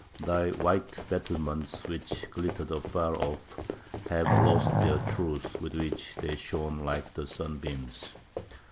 "Thy white battlements which glittered afar off, have lost their truth with which they shone like the sunbeams.